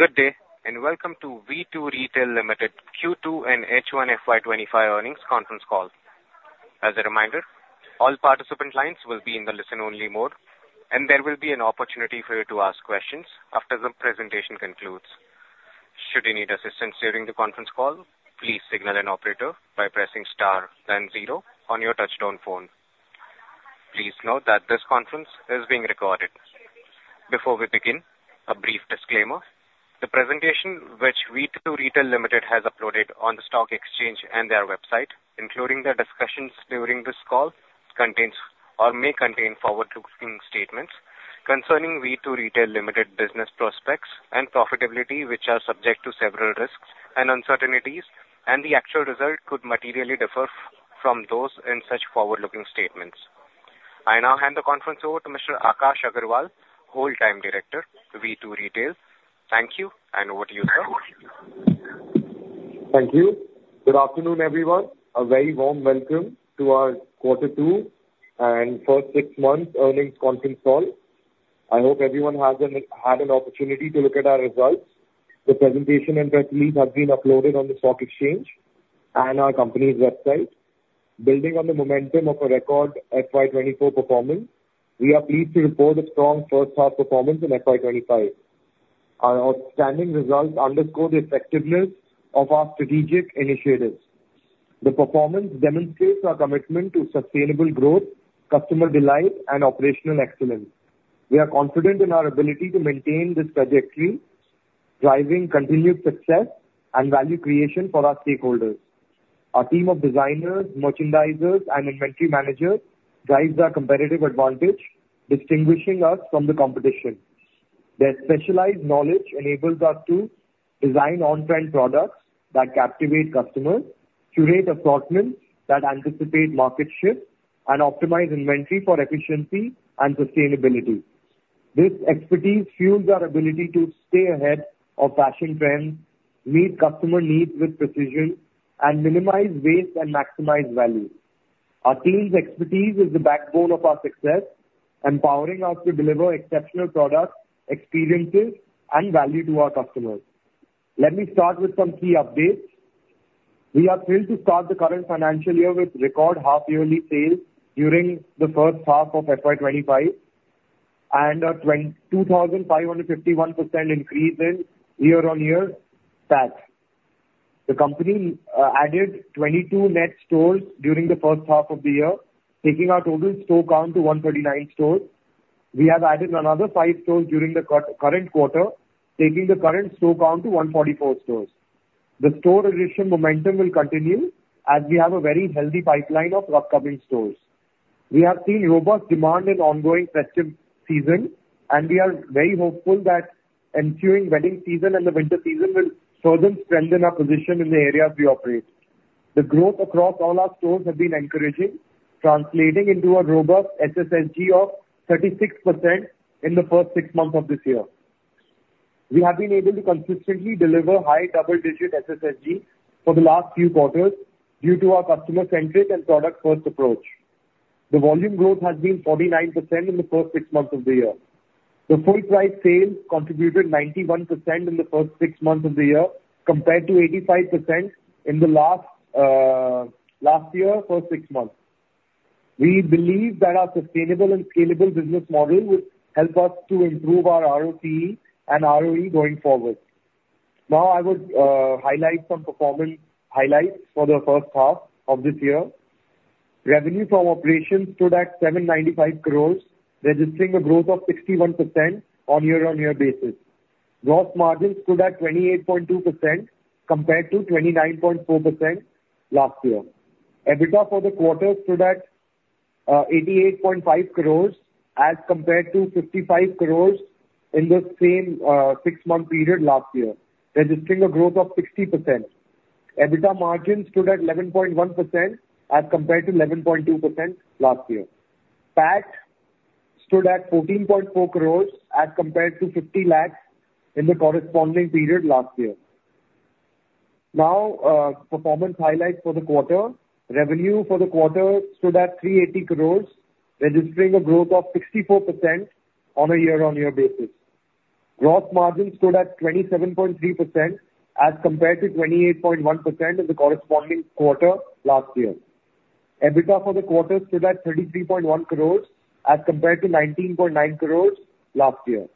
Good day, and welcome to V2 Retail Limited Q2 and H1 FY 2025 Earnings Conference Call. As a reminder, all participant lines will be in the listen-only mode, and there will be an opportunity for you to ask questions after the presentation concludes. Should you need assistance during the conference call, please signal an operator by pressing star then zero on your touch-tone phone. Please note that this conference is being recorded. Before we begin, a brief disclaimer. The presentation which V2 Retail Limited has uploaded on the stock exchange and their website, including the discussions during this call, contains or may contain forward-looking statements concerning V2 Retail Limited business prospects and profitability, which are subject to several risks and uncertainties, and the actual results could materially differ from those in such forward-looking statements. I now hand the conference over to Mr. Akash Agarwal, Whole Time Director, V2 Retail. Thank you, and over to you, sir. Thank you. Good afternoon, everyone. A very warm welcome to our Quarter Two and first six months earnings conference call. I hope everyone has had an opportunity to look at our results. The presentation and press release have been uploaded on the stock exchange and our company's website. Building on the momentum of a record FY 2024 performance, we are pleased to report a strong first half performance in FY 2025. Our outstanding results underscore the effectiveness of our strategic initiatives. The performance demonstrates our commitment to sustainable growth, customer delight, and operational excellence. We are confident in our ability to maintain this trajectory, driving continued success and value creation for our stakeholders. Our team of designers, merchandisers, and inventory managers drives our competitive advantage, distinguishing us from the competition. Their specialized knowledge enables us to design on-trend products that captivate customers, curate assortments that anticipate market shifts, and optimize inventory for efficiency and sustainability. This expertise fuels our ability to stay ahead of fashion trends, meet customer needs with precision, and minimize waste and maximize value. Our team's expertise is the backbone of our success, empowering us to deliver exceptional products, experiences, and value to our customers. Let me start with some key updates. We are thrilled to start the current financial year with record half-yearly sales during the first half of FY 2025 and a 2,551% increase in year-on-year PAT. The company added 22 net stores during the first half of the year, taking our total store count to 139 stores. We have added another five stores during the current quarter, taking the current store count to 144 stores. The store addition momentum will continue as we have a very healthy pipeline of upcoming stores. We have seen robust demand in ongoing festive season, and we are very hopeful that ensuing wedding season and the winter season will further strengthen our position in the areas we operate. The growth across all our stores has been encouraging, translating into a robust SSSG of 36% in the first six months of this year. We have been able to consistently deliver high double-digit SSSG for the last few quarters due to our customer-centric and product-first approach. The volume growth has been 49% in the first six months of the year. The full price sales contributed 91% in the first six months of the year, compared to 85% in the last, last year, first six months. We believe that our sustainable and scalable business model will help us to improve our ROCE and ROE going forward. Now, I would, highlight some performance highlights for the first half of this year. Revenue from operations stood at 795 crore, registering a growth of 61% on year-on-year basis. Gross margin stood at 28.2%, compared to 29.4% last year. EBITDA for the quarter stood at, eighty-eight point five crore as compared to fifty-five crore in the same, six-month period last year, registering a growth of 60%. EBITDA margin stood at 11.1% as compared to 11.2% last year. PAT stood at 14.4 crore as compared to 50 lakhs in the corresponding period last year. Now, performance highlights for the quarter. Revenue for the quarter stood at 380 crore, registering a growth of 64% on a year-on-year basis. Gross margin stood at 27.3% as compared to 28.1% in the corresponding quarter last year. EBITDA for the quarter stood at 33.1 crore as compared to 19.9 crore last year,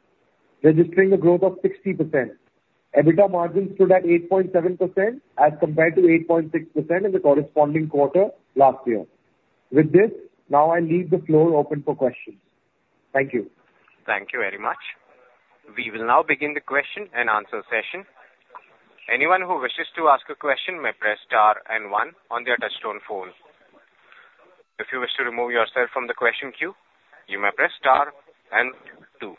registering a growth of 60%. EBITDA margin stood at 8.7% as compared to 8.6% in the corresponding quarter last year. With this, now I leave the floor open for questions. Thank you. Thank you very much. We will now begin the question and answer session. Anyone who wishes to ask a question may press star and one on their touchtone phone. If you wish to remove yourself from the question queue, you may press star and two.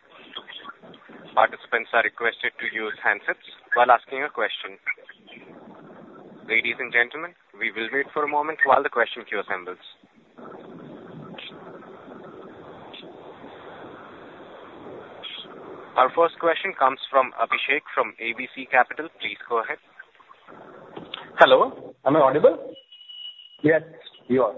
Participants are requested to use handsets while asking a question. Ladies and gentlemen, we will wait for a moment while the question queue assembles. Our first question comes from Abhishek, from AB Capital. Please go ahead. Hello, am I audible? Yes, you are.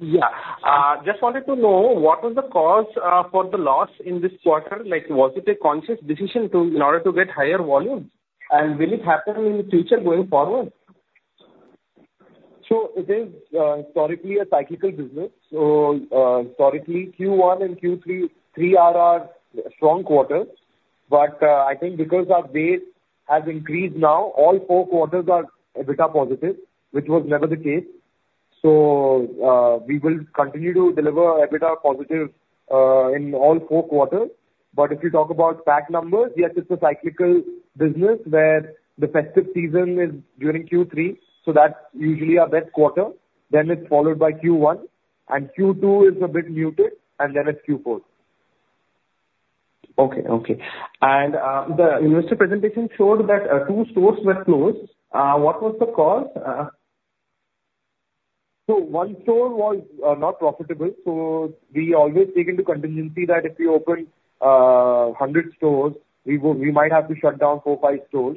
Yeah. Just wanted to know what was the cause for the loss in this quarter? Like, was it a conscious decision to, in order to get higher volumes, and will it happen in the future going forward? So it is historically a cyclical business. So historically, Q1 and Q3 are our strong quarters. But I think because our base has increased now, all four quarters are a bit positive, which was never the case. So we will continue to deliver EBITDA positive in all four quarters. But if you talk about peak numbers, yes, it is a cyclical business where the festive season is during Q3, so that is usually our best quarter. Then it is followed by Q1, and Q2 is a bit muted, and then it is Q4. Okay. And the investor presentation showed that two stores were closed. What was the cause? So one store was not profitable, so we always take into contingency that if we open hundred stores, we might have to shut down four, five stores.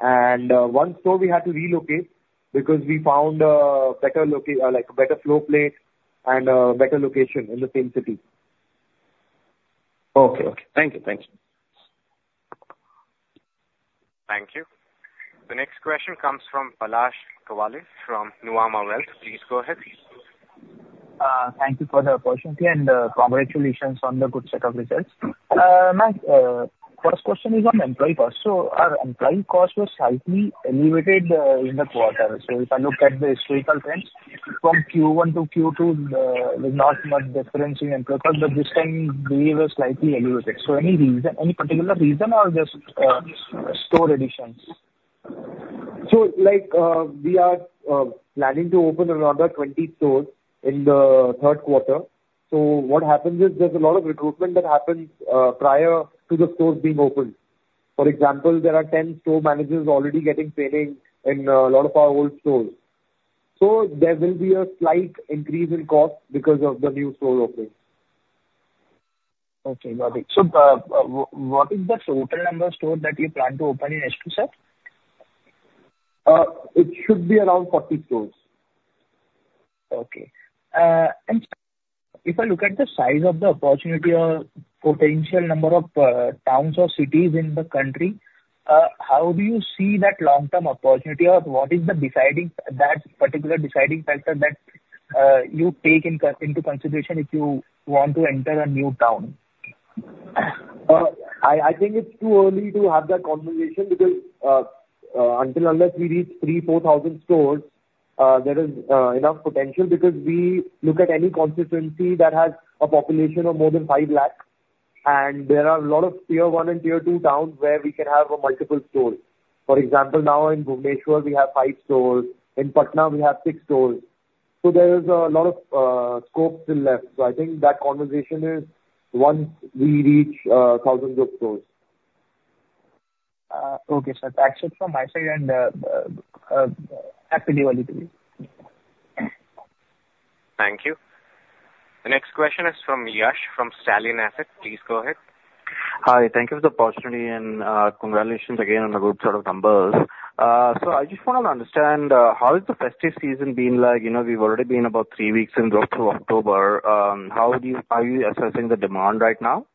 And one store we had to relocate because we found better location, like a better floor plate and better location in the same city. Okay. Thank you. Thank you. The next question comes from Palash Kawale from Nuvama Wealth. Please go ahead. Thank you for the opportunity, and, congratulations on the good set of results. My first question is on employee cost. So our employee cost was slightly elevated in the quarter. So if I look at the historical trends from Q1 to Q2, there's not much difference in employee cost, but this time we were slightly elevated. So any reason, any particular reason or just store additions? So like, we are planning to open another 20 stores in the third quarter. So what happens is there's a lot of recruitment that happens prior to the stores being opened. For example, there are 10 store managers already getting training in a lot of our old stores. So there will be a slight increase in cost because of the new store opening. Okay, got it. So, what is the total number of stores that you plan to open in H2, sir? It should be around forty stores. Okay. And if I look at the size of the opportunity or potential number of towns or cities in the country, how do you see that long-term opportunity, or what is that particular deciding factor that you take into consideration if you want to enter a new town? I think it's too early to have that conversation because unless we reach three, four thousand stores, there is enough potential. Because we look at any constituency that has a population of more than five lakh, and there are a lot of Tier 1 and Tier 2 towns where we can have multiple stores. For example, now in Bhubaneswar, we have five stores. In Patna, we have six stores. So there is a lot of scope still left. So I think that conversation is once we reach thousands of stores. Okay, sir. That's it from my side and, happy Diwali to you. Thank you. The next question is from Yash from Stallion Asset. Please go ahead. Hi, thank you for the opportunity and, congratulations again on the good set of numbers. So I just want to understand, how is the festive season been like? You know, we've already been about three weeks into October. How do you, how are you assessing the demand right now?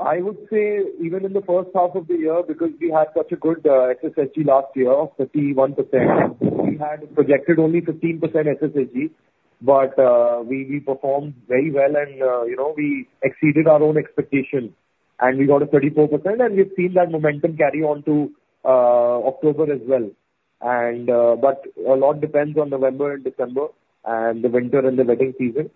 I would say even in the first half of the year, because we had such a good SSG last year of 31%, we had projected only 15% SSG, but we performed very well and you know we exceeded our own expectations, and we got a 34%, and we've seen that momentum carry on to October as well, but a lot depends on November and December, and the winter and the wedding season.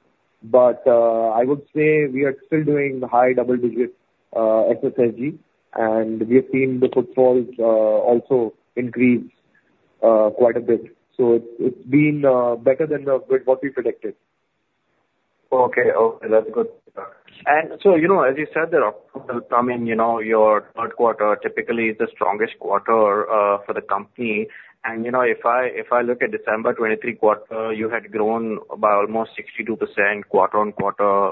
I would say we are still doing high double digits SSG, and we have seen the footfalls also increase quite a bit, so it's been better than what we predicted. Okay. Okay, that's good. And so, you know, as you said, you know, your third quarter typically is the strongest quarter, for the company. And, you know, if I, if I look at December 2023 quarter, you had grown by almost 62% quarter on quarter.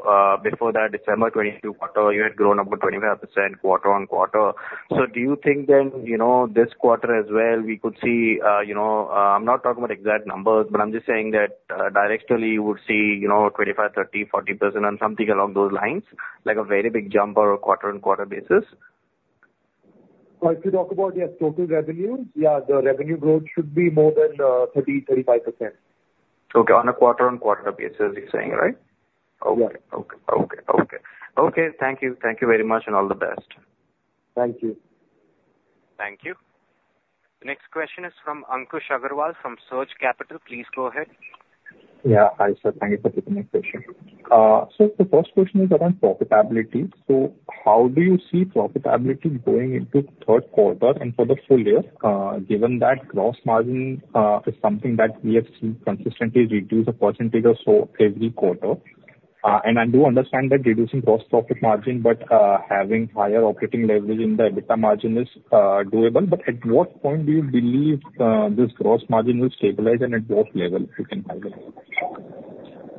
Before that, December 2022 quarter, you had grown about 25% quarter on quarter. So do you think then, you know, this quarter as well, we could see, you know, I'm not talking about exact numbers, but I'm just saying that, directionally we would see, you know, 25%, 30%, 40% and something along those lines, like a very big jump on a quarter on quarter basis? If you talk about, yes, total revenue, yeah, the revenue growth should be more than 30-35%. Okay. On a quarter on quarter basis, you're saying, right? Yeah. Okay, thank you. Thank you very much, and all the best. Thank you. Thank you. The next question is from Ankush Agrawal, from Surge Capital. Please go ahead. Yeah. Hi, sir, thank you for taking my question. So the first question is around profitability. So how do you see profitability going into third quarter and for the full year, given that gross margin is something that we have seen consistently reduce the percentage of so every quarter? And I do understand that reducing gross profit margin, but having higher operating leverage in the EBITDA margin is doable. But at what point do you believe this gross margin will stabilize and at what level you can highlight?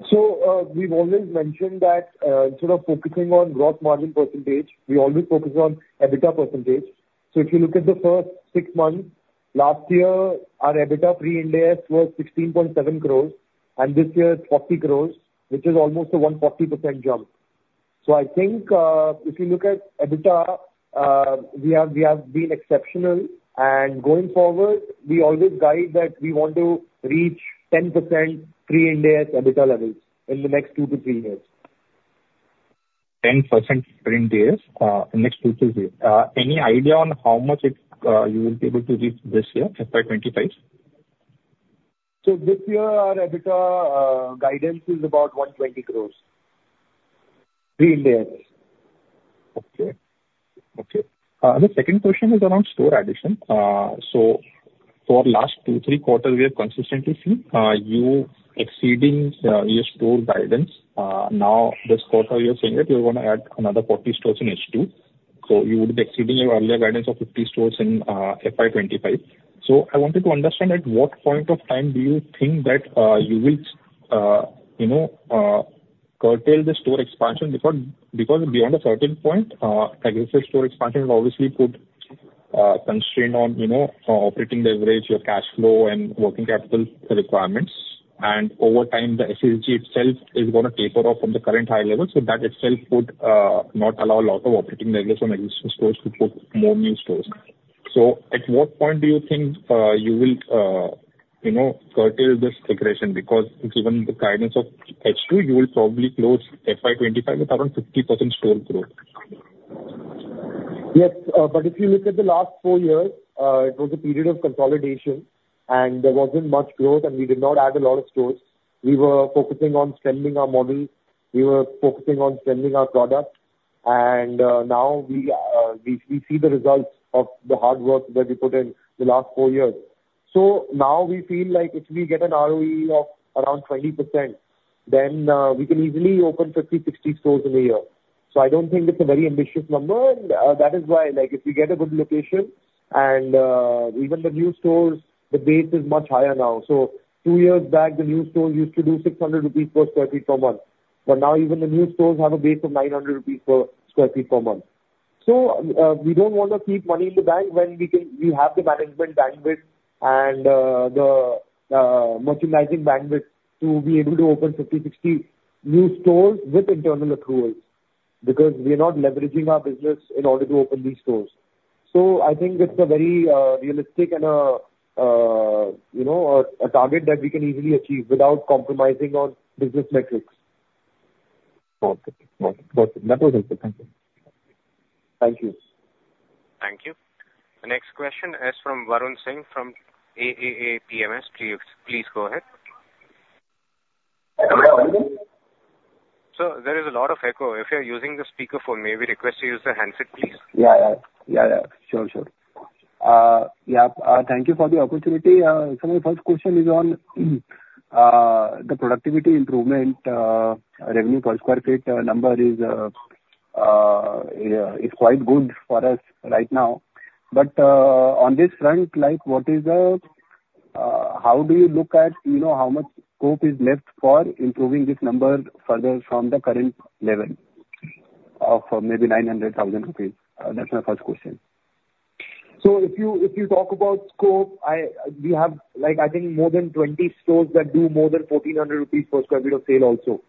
So, we've always mentioned that, instead of focusing on gross margin percentage, we always focus on EBITDA percentage. So if you look at the first six months, last year, our EBITDA pre-Ind AS was 16.7 crore, and this year it's 40 crore, which is almost a 140% jump. So I think, if you look at EBITDA, we have, we have been exceptional, and going forward, we always guide that we want to reach 10% pre-Ind AS EBITDA levels in the next two to three years. 10% Pre-Ind AS in the next two to three. Any idea on how much it you will be able to reach this year, FY 2025? So this year, our EBITDA guidance is about 120 crore pre-Ind AS. Okay. The second question is around store addition. So for last two, three quarters, we have consistently seen you exceeding your store guidance. Now, this quarter you're saying that you're gonna add another forty stores in H2, so you would be exceeding your earlier guidance of fifty stores in FY 2025. So I wanted to understand, at what point of time do you think that you will, you know, curtail the store expansion? Because beyond a certain point, aggressive store expansion obviously could constrain on, you know, operating leverage, your cash flow and working capital requirements. And over time, the SSG itself is gonna taper off from the current high level, so that itself could not allow a lot of operating leverage on existing stores to put more new stores. So at what point do you think, you will, you know, curtail this aggression? Because given the guidance of H2, you will probably close FY 2025 with around 50% store growth. Yes, but if you look at the last four years, it was a period of consolidation, and there wasn't much growth, and we did not add a lot of stores. We were focusing on strengthening our model. We were focusing on strengthening our product, and now we see the results of the hard work that we put in the last four years, so now we feel like if we get an ROE of around 20%, then we can easily open 50-60 stores in a year, so I don't think it's a very ambitious number, and that is why, like, if we get a good location and even the new stores, the base is much higher now. So two years back, the new stores used to do 600 rupees per square feet per month, but now even the new stores have a base of 900 rupees per square feet per month. So we don't want to keep money in the bank when we can we have the management bandwidth and the merchandising bandwidth to be able to open 50, 60 new stores with internal accruals, because we are not leveraging our business in order to open these stores. So I think it's a very realistic and you know a target that we can easily achieve without compromising on business metrics. Okay. Okay. Perfect. That was helpful. Thank you. Thank you. Thank you. The next question is from Varun Singh from AAA PMS. Please, please go ahead. Hello. Sir, there is a lot of echo. If you're using the speaker phone, may we request you use the handset, please? Yeah, yeah. Yeah, yeah. Sure. Sure. Yeah, thank you for the opportunity. So my first question is on the productivity improvement. Revenue per square feet number is yeah is quite good for us right now. But on this front, like, what is, how do you look at, you know, how much scope is left for improving this number further from the current level of maybe 900,000 crore rupees? That's my first question. So if you talk about scope, we have, like, I think more than twenty stores that do more than 1,400 rupees per square feet of sale also.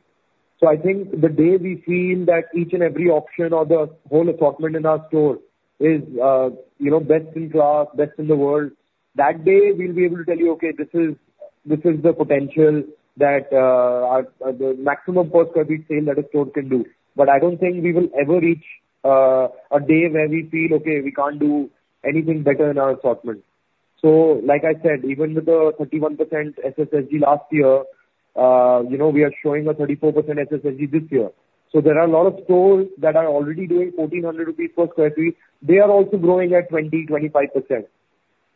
So I think the day we feel that each and every option or the whole assortment in our store is, you know, best in class, best in the world, that day we'll be able to tell you, "Okay, this is the potential that the maximum per square feet sale that a store can do." But I don't think we will ever reach a day where we feel, okay, we can't do anything better in our assortment. So like I said, even with the 31% SSSG last year, you know, we are showing a 34% SSSG this year. So there are a lot of stores that are already doing 1,400 rupees per square feet. They are also growing at 20%-25%.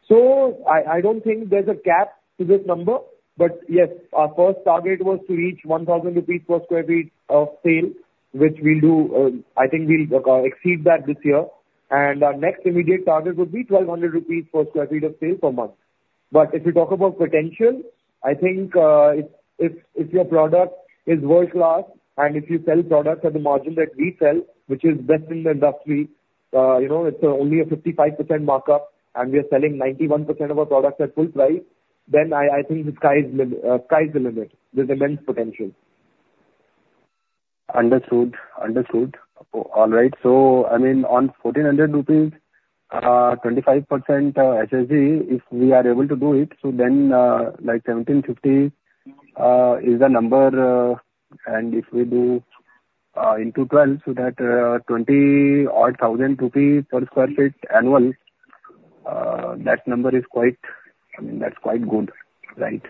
So I don't think there's a cap to this number, but yes, our first target was to reach 1,000 rupees per square feet of sale, which we'll do. I think we'll exceed that this year. And our next immediate target would be 1,200 rupees per square feet of sale per month. But if you talk about potential, I think if your product is world-class, and if you sell products at the margin that we sell, which is best in the industry, you know, it's only a 55% markup, and we are selling 91% of our products at full price, then I think the sky is the limit. There's immense potential. Understood. Understood. All right. So, I mean, on 1,400 rupees, 25% SSG, if we are able to do it, so then, like, 1,750 is the number, and if we do into twelve, so that 20,000-odd per square feet annual, that number is quite, I mean, that's quite good, right?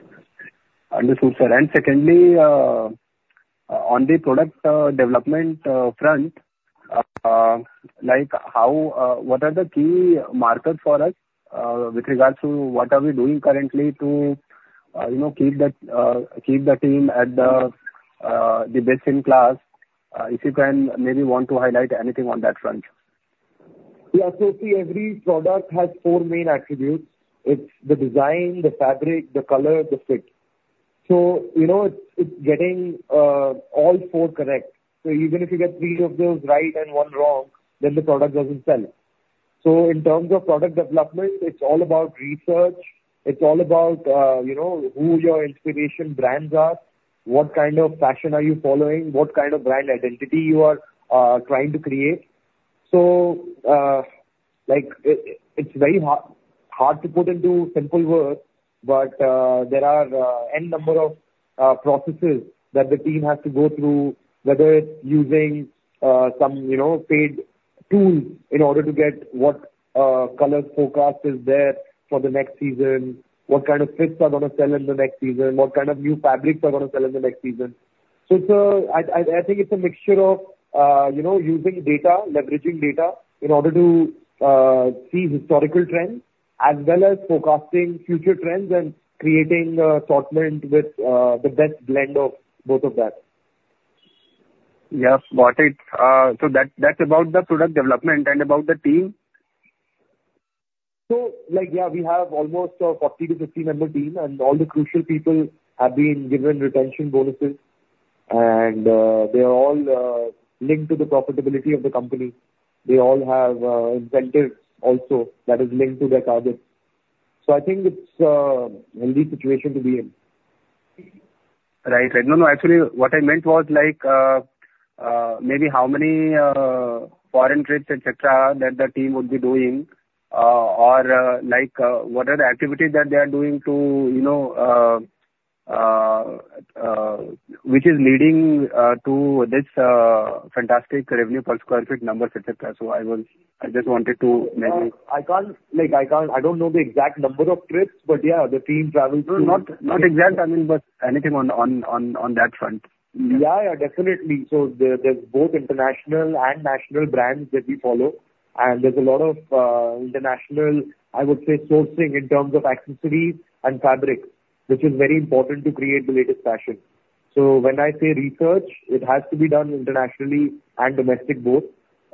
Understood, sir. And secondly, on the product development front, like, how, what are the key markers for us, with regards to what are we doing currently to, you know, keep the team at the best-in-class? If you can maybe want to highlight anything on that front. Yeah, so see, every product has four main attributes. It's the design, the fabric, the color, the fit. So you know, it's getting all four correct. So even if you get three of those right and one wrong, then the product doesn't sell. So in terms of product development, it's all about research, it's all about, you know, who your inspiration brands are, what kind of fashion are you following, what kind of brand identity you are trying to create. So, like, it's very hard to put into simple words, but there are N number of processes that the team has to go through, whether it's using some, you know, paid tools in order to get what colors forecast is there for the next season, what kind of fits are gonna sell in the next season, what kind of new fabrics are gonna sell in the next season. So it's a mixture of, you know, using data, leveraging data, in order to see historical trends, as well as forecasting future trends and creating assortment with the best blend of both of that. Yeah. Got it. So that's about the product development. And about the team? So, like, yeah, we have almost a 40-50 member team, and all the crucial people have been given retention bonuses, and they are all linked to the profitability of the company. They all have incentives also that is linked to their targets. So I think it's a healthy situation to be in. Right. No, no, actually, what I meant was like, maybe how many, foreign trips, et cetera, that the team would be doing, or, like, what are the activities that they are doing to, you know, which is leading, to this, fantastic revenue per square feet numbers, et cetera. So I was... I just wanted to maybe- I can't, like, I don't know the exact number of trips, but yeah, the team travels to- No, not exact, I mean, but anything on that front. Yeah, yeah, definitely. So there, there's both international and national brands that we follow, and there's a lot of international, I would say, sourcing in terms of accessories and fabric, which is very important to create the latest fashion. So when I say research, it has to be done internationally and domestic both.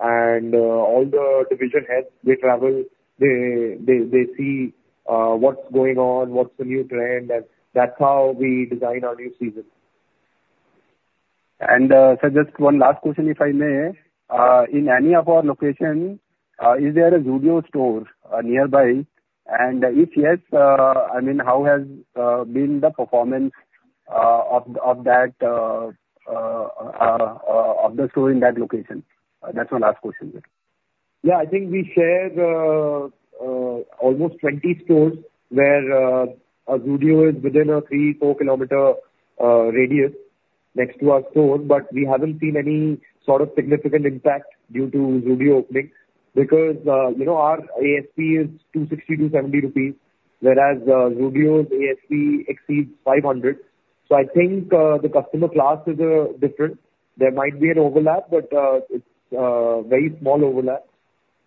And all the division heads, they travel, they see what's going on, what's the new trend, and that's how we design our new season. And, so just one last question, if I may. Sure. In any of our locations, is there a Zudio store nearby? And if yes, I mean, how has been the performance of that store in that location? That's my last question, sir. Yeah, I think we share almost 20 stores, where a Zudio is within a three-four kilometer radius next to our store, but we haven't seen any sort of significant impact due to Zudio opening, because you know, our ASP is 260-270 rupees, whereas Zudio's ASP exceeds 500. So I think the customer class is different. There might be an overlap, but it's a very small overlap.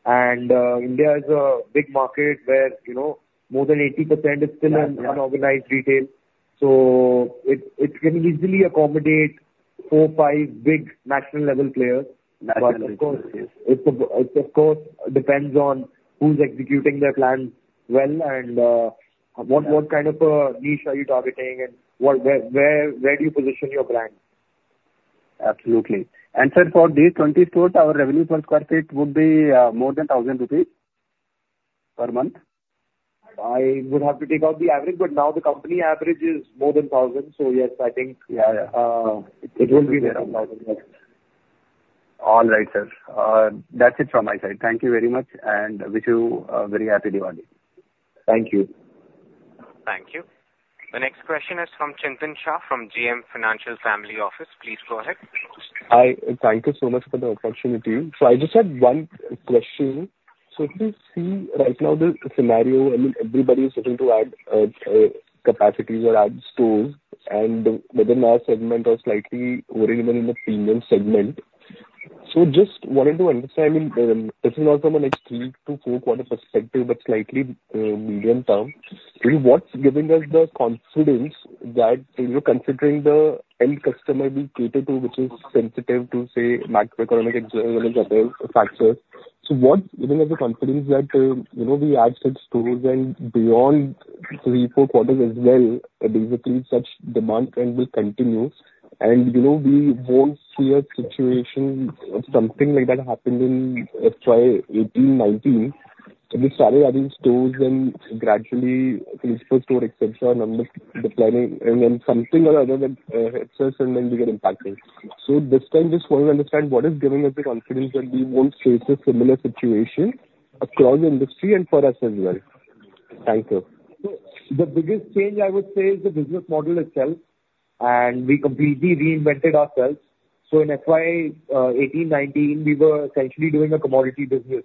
And India is a big market where, you know, more than 80% is still- Yeah, yeah. Unorganized retail. So it can easily accommodate four, five big national-level players. Absolutely. But of course, it of course depends on who's executing their plan well and what kind of niche are you targeting and where do you position your brand? Absolutely. And, sir, for these 20 stores, our revenue per square feet would be more than 1,000 rupees per month? I would have to take out the average, but now the company average is more than thousand, so yes, I think. Yeah, yeah. It will be around thousand, yes. All right, sir. That's it from my side. Thank you very much, and wish you a very happy Diwali. Thank you. Thank you. The next question is from Chintan Shah, from JM Financial Family Office. Please go ahead. Hi, and thank you so much for the opportunity. So I just had one question. So we see right now the scenario, I mean, everybody is looking to add capacities or add stores and within our segment or slightly over even in the premium segment. Just wanted to understand, this is not from a Q1 to Q4 quarter perspective, but slightly medium term, what's giving us the confidence that, you know, considering the end customer we cater to, which is sensitive to, say, macroeconomic and other factors, so what's giving us the confidence that, you know, we add such stores and beyond three, four quarters as well, basically such demand trend will continue, and you know, we won't see a situation of something like that happened in FY 2018, 2019, and we started adding stores and gradually per store, et cetera, numbers declining, and then something or the other that hits us and then we get impacted. This time, just want to understand what is giving us the confidence that we won't face a similar situation across the industry and for us as well? Thank you. So the biggest change, I would say, is the business model itself, and we completely reinvented ourselves. So in FY eighteen, nineteen, we were essentially doing a commodity business,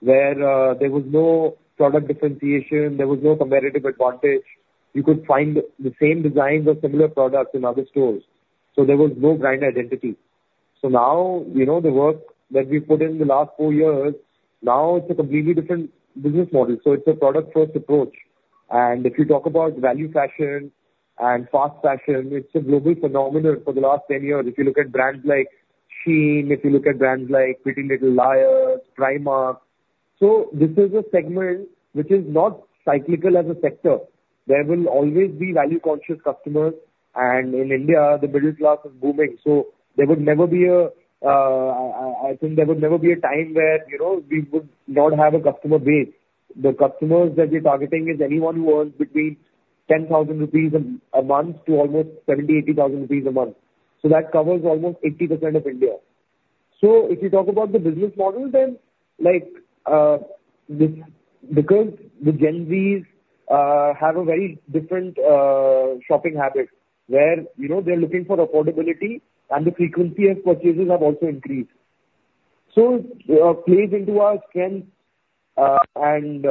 where there was no product differentiation, there was no competitive advantage. You could find the same designs or similar products in other stores, so there was no brand identity. So now, we know the work that we've put in the last four years, now it's a completely different business model, so it's a product-first approach. And if you talk about value fashion and fast fashion, it's a global phenomenon for the last ten years. If you look at brands like Shein, if you look at brands like PrettyLittleLiars, Primark. So this is a segment which is not cyclical as a sector. There will always be value-conscious customers, and in India, the middle class is booming, so I think there would never be a time where, you know, we would not have a customer base. The customers that we're targeting is anyone who earns between 10,000 rupees a month to almost 70,000-80,000 rupees a month, so that covers almost 80% of India. If you talk about the business model, then, like, because the Gen Z's have a very different shopping habit, where, you know, they're looking for affordability and the frequency of purchases have also increased. So it plays into our strength, and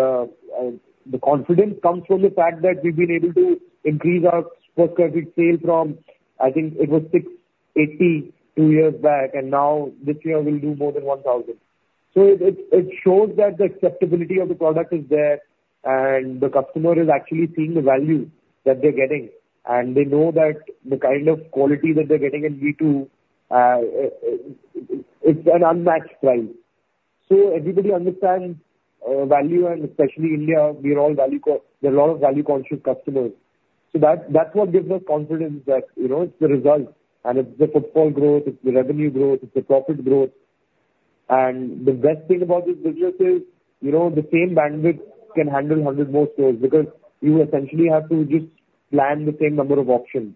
the confidence comes from the fact that we've been able to increase our per square feet sale from, I think it was 680, two years back, and now this year we'll do more than 1,000. So it shows that the acceptability of the product is there, and the customer is actually seeing the value that they're getting, and they know that the kind of quality that they're getting in V2, it's an unmatched price. So everybody understands value, and especially India, we are all value-conscious customers. So that's what gives us confidence that, you know, it's the result, and it's the footfall growth, it's the revenue growth, it's the profit growth. And the best thing about this business is, you know, the same bandwidth can handle hundred more stores, because you essentially have to just plan the same number of options.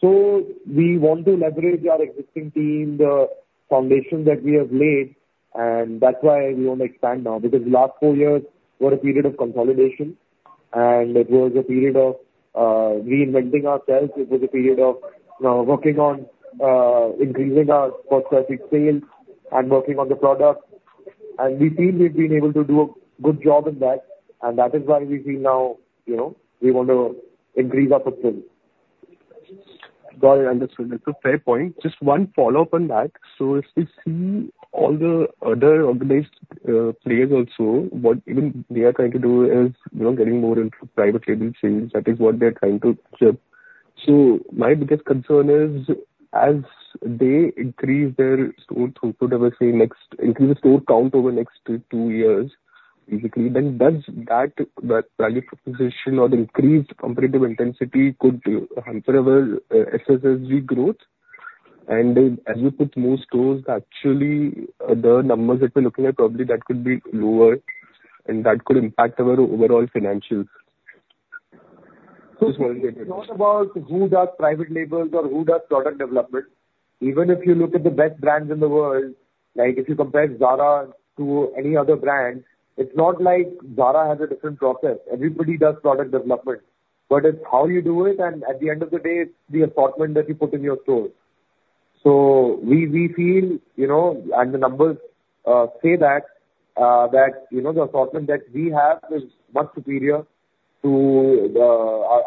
So we want to leverage our existing team, the foundation that we have laid, and that's why we want to expand now, because the last four years were a period of consolidation, and it was a period of, reinventing ourselves. It was a period of, working on, increasing our per square feet sales and working on the product. And we feel we've been able to do a good job in that, and that is why we feel now, you know, we want to increase our footprint. Got it, understood. It's a fair point. Just one follow-up on that, so if we see all the other organized players also, what even they are trying to do is, you know, getting more into private label chains. That is what they're trying to do, so my biggest concern is, as they increase their store throughput, let me say, next, increase the store count over the next two years, basically, then does that, that value proposition or the increased competitive intensity could hamper our SSSG growth? and then as we put more stores, actually, the numbers that we're looking at, probably that could be lower and that could impact our overall financials. It's not about who does private labels or who does product development. Even if you look at the best brands in the world, like if you compare Zara to any other brand, it's not like Zara has a different process. Everybody does product development, but it's how you do it, and at the end of the day, it's the assortment that you put in your store. So we feel, you know, and the numbers say that, you know, the assortment that we have is much superior to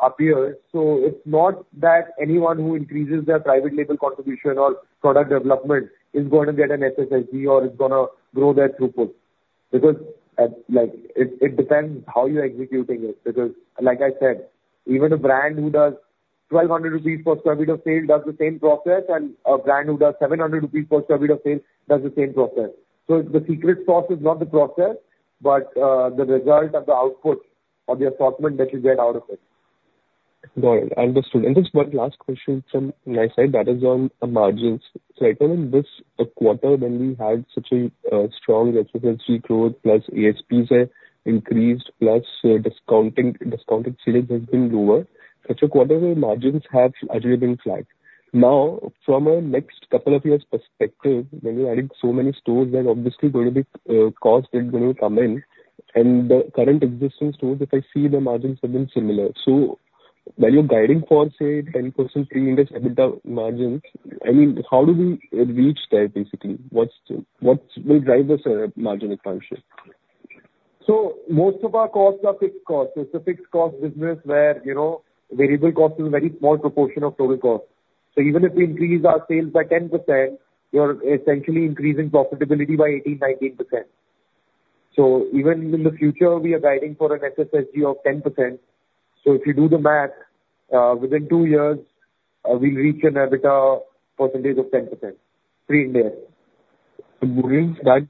our peers. So it's not that anyone who increases their private label contribution or product development is going to get an SSSG or is gonna grow their throughput. Because, like, it depends how you're executing it, because, like I said, even a brand who does 1,200 rupees per square feet of sale does the same process, and a brand who does 700 rupees per square feet of sale does the same process. So the secret sauce is not the process, but, the result or the output or the assortment that you get out of it. Got it. Understood. And just one last question from my side, that is on margins. So I tell in this quarter, when we had such a strong SSSG growth, plus ASPs are increased, plus discounting, discounted sales has been lower, such a quarter, the margins have actually been flat. Now, from a next couple of years perspective, when you're adding so many stores, there's obviously going to be cost is going to come in, and the current existing stores, if I see, the margins have been similar. So when you're guiding for, say, 10% Pre-Ind AS EBITDA margins, I mean, how do we reach there, basically? What will drive this margin expansion? So most of our costs are fixed costs. It's a fixed cost business where, you know, variable cost is a very small proportion of total cost. So even if we increase our sales by 10%, we are essentially increasing profitability by 18%-19%. So even in the future, we are guiding for an SSG of 10%. So if you do the math, within two years, we'll reach an EBITDA percentage of 10%, pre-Ind AS. And you mean that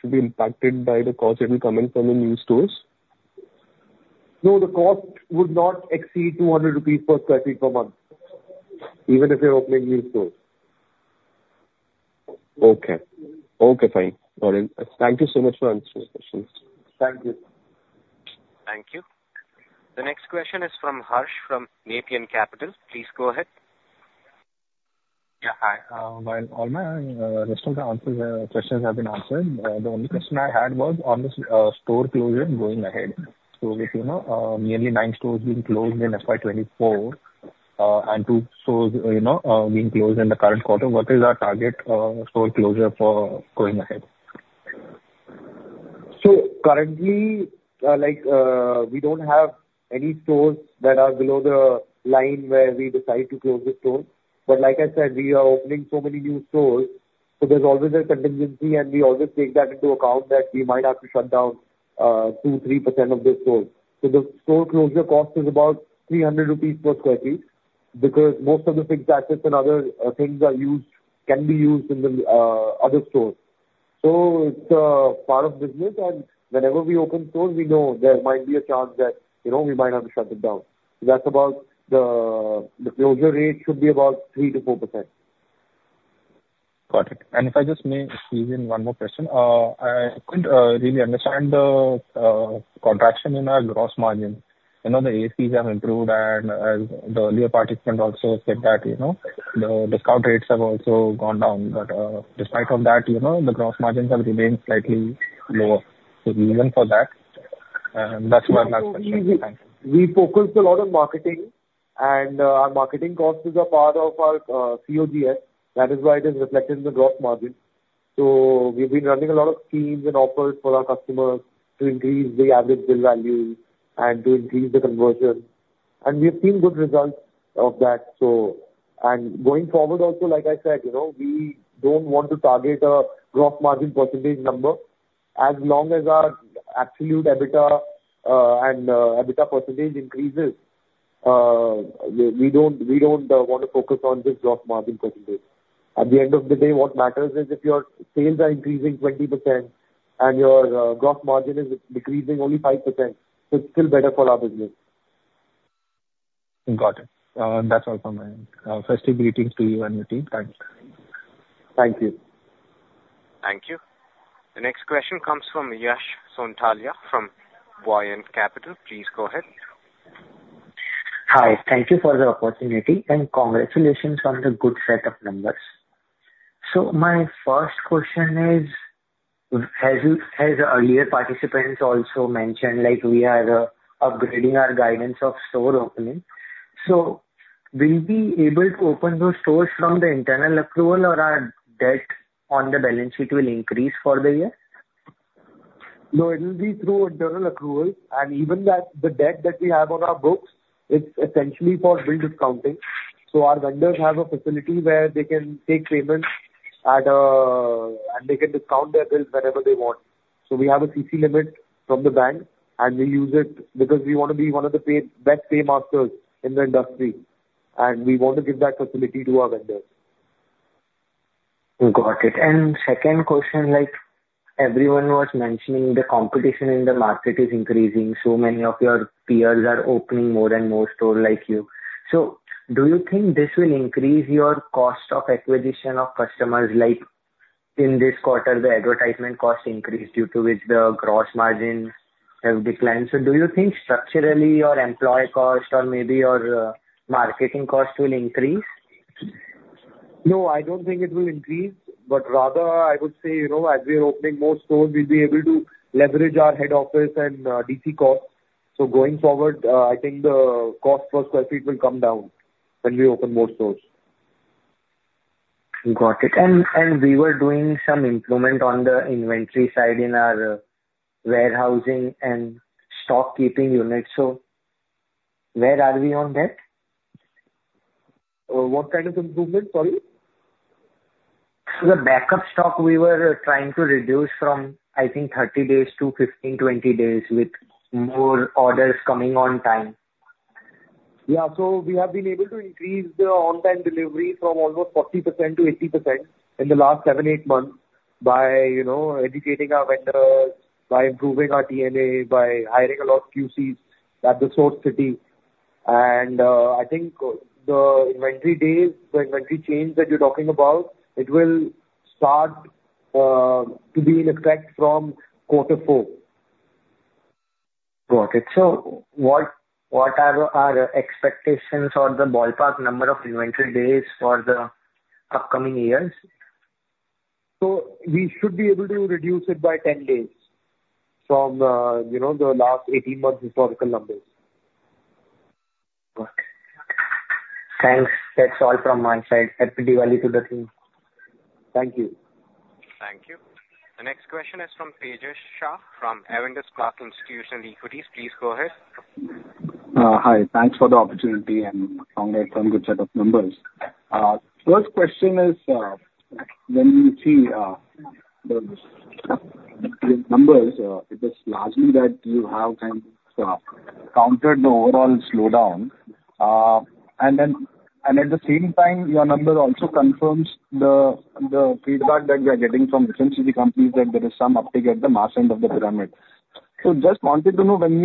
should be impacted by the cost that will come in from the new stores? No, the cost would not exceed 200 rupees per square feet per month, even if you're opening new stores. Okay. Okay, fine. All right. Thank you so much for answering my questions. Thank you. Thank you. The next question is from Harsh, from Nepean Capital. Please go ahead. Yeah, hi. Well, all my rest of the questions have been answered. The only question I had was on the store closure going ahead. So with, you know, nearly nine stores being closed in FY 2024, and two stores, you know, being closed in the current quarter, what is our target store closure for going ahead? So currently, like, we don't have any stores that are below the line where we decide to close the stores. But like I said, we are opening so many new stores, so there's always a contingency, and we always take that into account, that we might have to shut down 2%-3% of the stores. So the store closure cost is about 300 rupees per square feet, because most of the fixed assets and other things can be used in the other stores. So it's part of business, and whenever we open stores, we know there might be a chance that, you know, we might have to shut them down. So that's about the closure rate should be about 3%-4%. Got it, and if I just may squeeze in one more question. I couldn't really understand the contraction in our gross margin. You know, the ASPs have improved and the earlier participant also said that, you know, the discount rates have also gone down. But despite all that, you know, the gross margins have remained slightly lower. So even for that, and that's where my question is. Thank you. We focus a lot on marketing, and our marketing costs is a part of our COGS. That is why it is reflected in the gross margin, so we've been running a lot of schemes and offers for our customers to increase the average bill value and to increase the conversion, and we've seen good results of that, and going forward also, like I said, you know, we don't want to target a gross margin percentage number. As long as our absolute EBITDA and EBITDA percentage increases, we, we don't want to focus on this gross margin percentage. At the end of the day, what matters is if your sales are increasing 20% and your gross margin is decreasing only 5%, it's still better for our business. Got it. That's all from me. Festive greetings to you and your team. Thanks. Thank you. Thank you. The next question comes from Yash Sonthalia, from Vallum Capital. Please go ahead. Hi. Thank you for the opportunity, and congratulations on the good set of numbers. So my first question is, as earlier participants also mentioned, like, we are upgrading our guidance of store opening. So will you be able to open those stores from the internal accrual or our debt on the balance sheet will increase for the year? No, it will be through internal accrual. And even that, the debt that we have on our books, it's essentially for bill discounting. So our vendors have a facility where they can take payments and they can discount their bills whenever they want. So we have a CC limit from the bank, and we use it because we want to be one of the best paymasters in the industry, and we want to give that facility to our vendors. Got it. And second question, like, everyone was mentioning, the competition in the market is increasing, so many of your peers are opening more and more stores like you. So do you think this will increase your cost of acquisition of customers? Like, in this quarter, the advertisement costs increased, due to which the gross margins have declined. So do you think structurally, your employee cost or maybe your marketing costs will increase? No, I don't think it will increase. But rather, I would say, you know, as we're opening more stores, we'll be able to leverage our head office and DC costs. So going forward, I think the cost per square feet will come down when we open more stores. Got it. We were doing some improvement on the inventory side in our warehousing and stockkeeping units. So where are we on that? What kind of improvement, sorry? The backup stock we were trying to reduce from, I think, thirty days to fifteen, twenty days, with more orders coming on time. Yeah. So we have been able to increase the on-time delivery from almost 40% to 80% in the last seven, eight months by, you know, educating our vendors, by improving our DNA, by hiring a lot of QCs at the source city. And I think the inventory days, the inventory change that you're talking about, it will start to be in effect from quarter four. Got it. So what, what are our expectations or the ballpark number of inventory days for the upcoming years? So we should be able to reduce it by ten days from, you know, the last eighteen months' historical numbers. Got it. Thanks. That's all from my side. Happy Diwali to the team. Thank you. Thank you. The next question is from Tejas Shah, from Avendus Spark Institutional Equities. Please go ahead. Hi. Thanks for the opportunity, and congrats on good set of numbers. First question is, when you see the numbers, it is largely that you have kind of countered the overall slowdown. And then, and at the same time, your numbers also confirms the feedback that we are getting from different CD companies, that there is some uptick at the mass end of the pyramid. So just wanted to know, when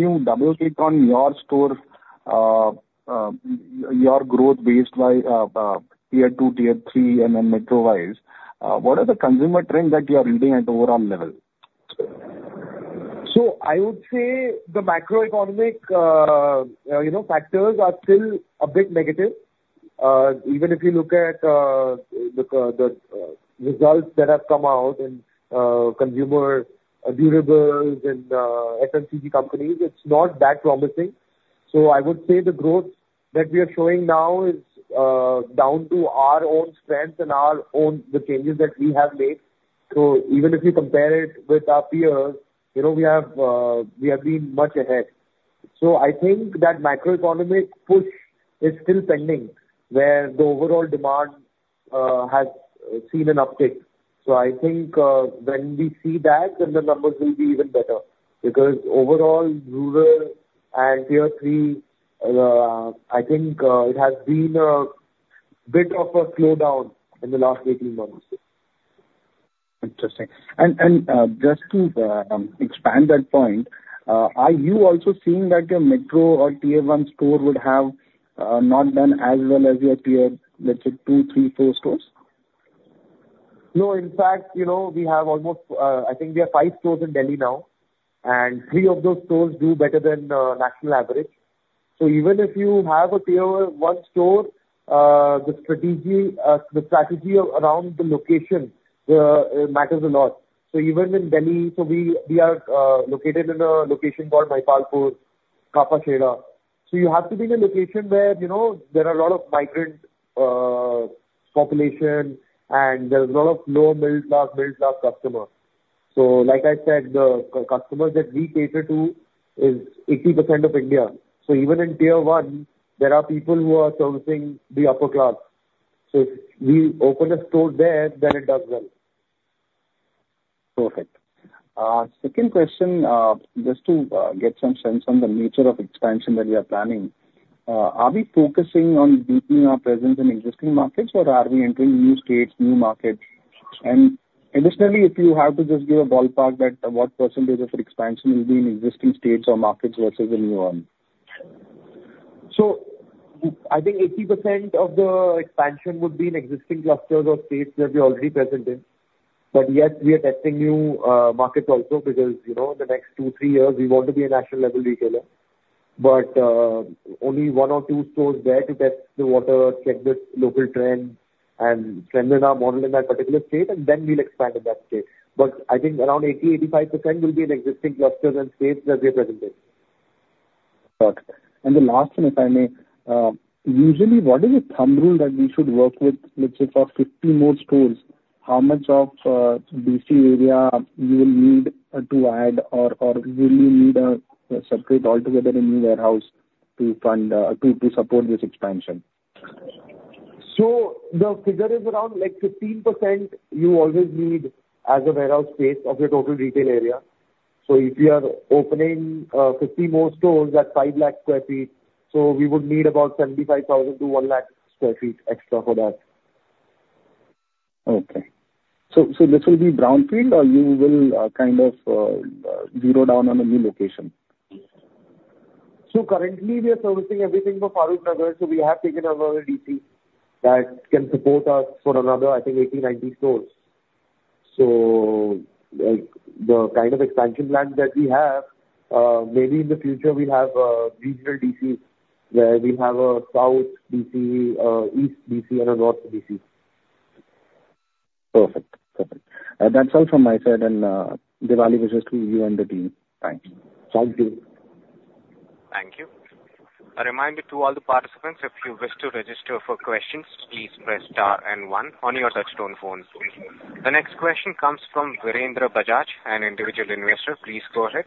you double-click on your store, your growth based by Tier 2, Tier 3, and then metro wise, what are the consumer trends that you are reading at the overall level? So I would say the macroeconomic, you know, factors are still a bit negative. Even if you look at the results that have come out in consumer durables and FMCG companies, it's not that promising. So I would say the growth that we are showing now is down to our own strength and our own, the changes that we have made. So even if you compare it with our peers, you know, we have been much ahead. So I think that macroeconomic push is still pending, where the overall demand has seen an uptick. So I think when we see that, then the numbers will be even better. Because overall, rural and Tier 3, I think it has been a bit of a slowdown in the last weekly numbers. Interesting. Just to expand that point, are you also seeing that your metro or Tier one store would have not done as well as your Tier, let's say, two, three, four stores? No, in fact, you know, we have almost, I think we have five stores in Delhi now, and three of those stores do better than national average. So even if you have a Tier 1 store, the strategy around the location, it matters a lot. So even in Delhi, so we are located in a location called Mahipalpur, Kapashera. So you have to be in a location where, you know, there are a lot of migrant population, and there's a lot of lower middle class, middle class customers. So like I said, the customers that we cater to is 80% of India. So even in Tier 1, there are people who are servicing the upper class. So if we open a store there, then it does well. Perfect. Second question, just to get some sense on the nature of expansion that we are planning. Are we focusing on deepening our presence in existing markets, or are we entering new states, new markets? And additionally, if you have to just give a ballpark, that what percentage of your expansion will be in existing states or markets versus the new one? I think 80% of the expansion would be in existing clusters or states that we're already present in. But yes, we are testing new markets also, because, you know, the next two, three years, we want to be a national-level retailer. But only one or two stores there to test the water, check the local trend, and strengthen our model in that particular state, and then we'll expand in that state. But I think around 80%-85% will be in existing clusters and states that we're present in. Got it. And the last one, if I may. Usually, what is a thumb rule that we should work with, let's say for 50 more stores, how much of DC area you will need to add, or will you need a separate altogether a new warehouse to fund, to support this expansion? So the figure is around like 15% you always need as a warehouse space of your total retail area. So if you are opening 50 more stores at five lakh square feet, so we would need about 75 thousand to 1 lakh square feet extra for that. Okay. So this will be brownfield, or you will kind of zero in on a new location? So currently we are servicing everything from Farrukhnagar, so we have taken another DC that can support us for another, I think, 80-90 stores. So like, the kind of expansion plans that we have, maybe in the future we'll have regional DCs, where we'll have a south DC, east DC, and a north DC. Perfect. Perfect. That's all from my side, and Diwali wishes to you and the team. Thank you. Thank you. Thank you. A reminder to all the participants, if you wish to register for questions, please press star and one on your touchtone phone. The next question comes from Virendra Bajaj, an individual investor. Please go ahead.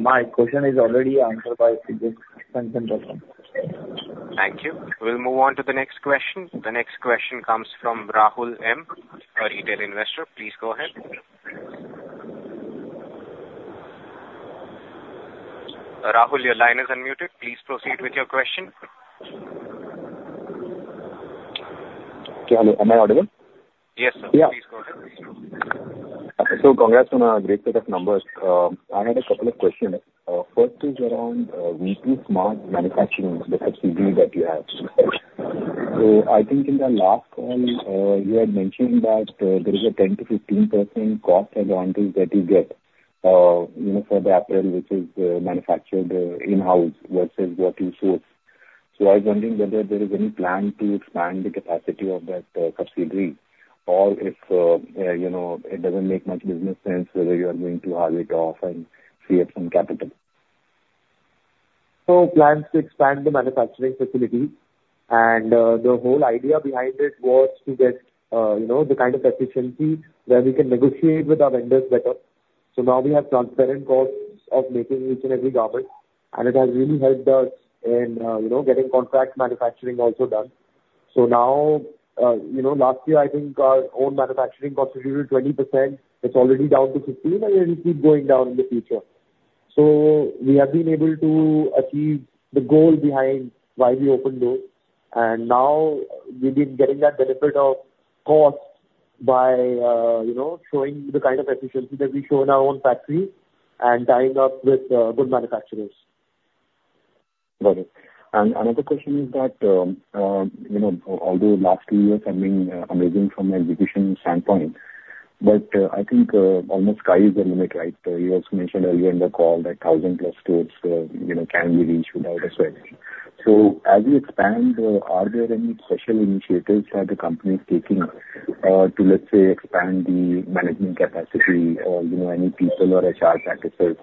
My question is already answered by Sanjay. Thank you. We'll move on to the next question. The next question comes from Rahul M, a retail investor. Please go ahead. Rahul, your line is unmuted. Please proceed with your question. Okay. Hello, am I audible? Yes, sir. Yeah. Please go ahead. Congrats on a great set of numbers. I had a couple of questions. First is around V2 Smart Manufacturing, the subsidiary that you have. I think in the last call you had mentioned that there is a 10%-15% cost advantage that you get, you know, for the apparel which is manufactured in-house versus what you source. I was wondering whether there is any plan to expand the capacity of that subsidiary, or if, you know, it doesn't make much business sense, whether you are going to write it off and free up some capital? So plans to expand the manufacturing facility, and the whole idea behind it was to get you know the kind of efficiency where we can negotiate with our vendors better. So now we have transparent costs of making each and every garment, and it has really helped us in you know getting contract manufacturing also done. So now you know last year, I think our own manufacturing constituted 20%. It's already down to 15%, and it'll keep going down in the future. So we have been able to achieve the goal behind why we opened those, and now we've been getting that benefit of cost by you know showing the kind of efficiency that we show in our own factory and tying up with good manufacturers. Got it. And another question is that, you know, although last two years have been amazing from an execution standpoint, but I think almost sky is the limit, right? You also mentioned earlier in the call that thousand-plus stores, you know, can be reached without a sweat. So as you expand, are there any special initiatives that the company is taking to, let's say, expand the management capacity or, you know, any people or HR practices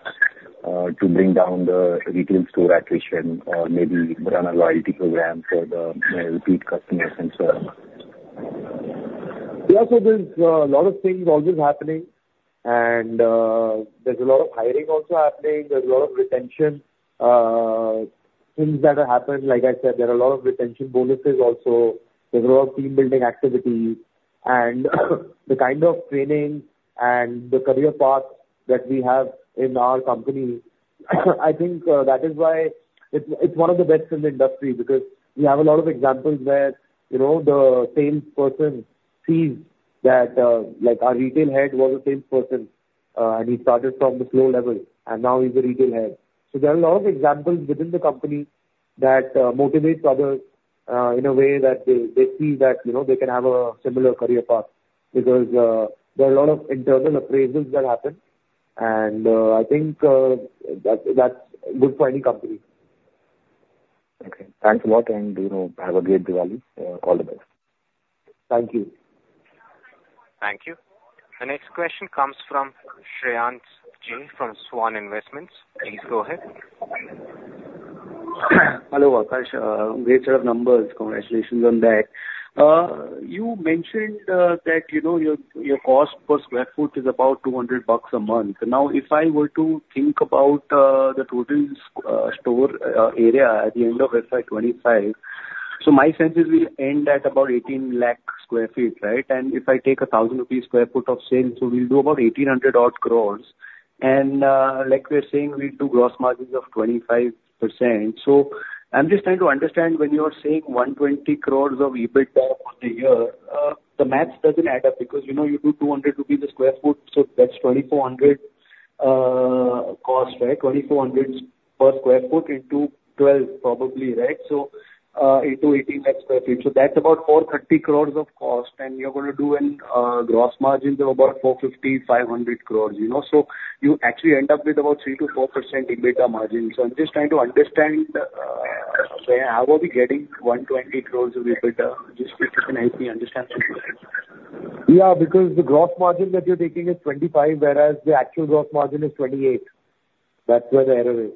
to bring down the retail store attrition or maybe run a loyalty program for the repeat customers and so on? Yeah, so there's a lot of things always happening, and there's a lot of hiring also happening. There's a lot of retention things that are happening. Like I said, there are a lot of retention bonuses also. There's a lot of team-building activities and the kind of training and the career path that we have in our company. I think that is why it's one of the best in the industry, because we have a lot of examples where, you know, the salesperson sees that, like our retail head was a salesperson, and he started from the store level, and now he's a retail head. There are a lot of examples within the company that motivates others in a way that they see that, you know, they can have a similar career path because there are a lot of internal appraisals that happen, and I think that's good for any company. Okay. Thanks a lot, and, you know, have a great Diwali. All the best. Thank you. Thank you. The next question comes from Shreyans Jain from Svan Investments. Please go ahead. Hello, Akash. Great set of numbers. Congratulations on that. You mentioned that, you know, your cost per square feet is about INR 200 a month. Now, if I were to think about the total store area at the end of, let's say, 2025, so my sense is we end at about 18 lakh square feet, right? And if I take 1,000 rupees square feet of sales, so we'll do about 1,800-odd crore. And, like we are saying, we do gross margins of 25%. So I'm just trying to understand, when you are saying 120 crore of EBITDA on the year, the math doesn't add up, because, you know, you do 200 a square feet, so that's 2,400 cost, right? 2,400 per square feet into 12 probably, right? So, into 18 lakhs square feet. So that's about 430 crore of cost, and you're gonna do a gross margins of about 450 crore-500 crore, you know, so you actually end up with about 3%-4% EBITDA margins. So I'm just trying to understand how are we getting 120 crore of EBITDA? Just if you can help me understand. Yeah, because the gross margin that you're taking is 25%, whereas the actual gross margin is 28%. That's where the error is.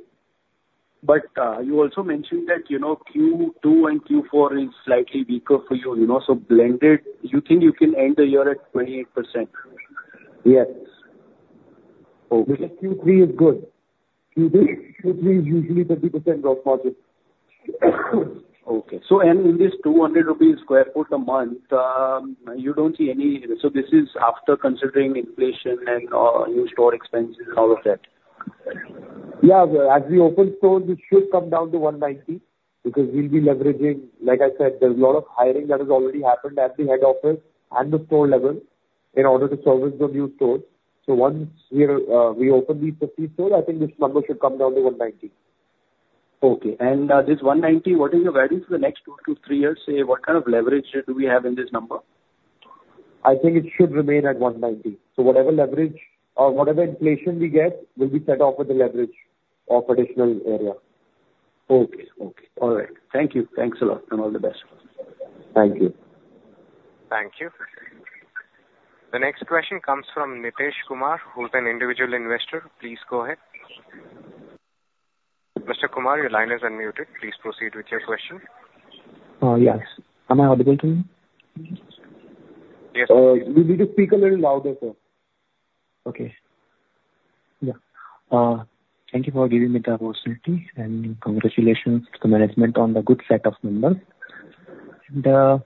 But, you also mentioned that, you know, Q2 and Q4 is slightly weaker for you, you know, so blended, you think you can end the year at 28%? Yes. Okay. Because Q3 is good. Q3 is usually 30% gross margin. Okay. So, and in this 200 rupees square feet a month, you don't see any... So this is after considering inflation and, new store expenses and all of that? Yeah. As we open stores, it should come down to 190, because we'll be leveraging. Like I said, there's a lot of hiring that has already happened at the head office and the store level in order to service the new stores. So once we open these 50 stores, I think this number should come down to 190. Okay, and this 190, what is the value for the next two to three years? Say, what kind of leverage do we have in this number? I think it should remain at 190. So whatever leverage or whatever inflation we get, will be set off with the leverage or additional area. Okay. All right. Thank you. Thanks a lot, and all the best. Thank you. Thank you. The next question comes from Nitesh Kumar, who's an individual investor. Please go ahead. Mr. Kumar, your line is unmuted. Please proceed with your question. Yes. Am I audible to you? Yes. You need to speak a little louder, sir. Okay. Yeah. Thank you for giving me the opportunity, and congratulations to management on the good set of numbers.